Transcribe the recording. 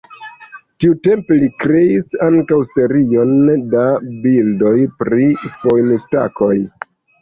Tiutempe li kreis ankaŭ serion da bildoj pri fojn-stakoj.